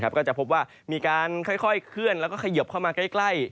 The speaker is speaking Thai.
ก็จะพบว่ามีการค่อยเคลื่อนแล้วก็เขยิบเข้ามาใกล้